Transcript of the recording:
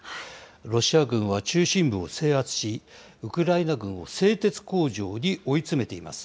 ロシア軍は中心部を制圧し、ウクライナ軍を製鉄工場に追い詰めています。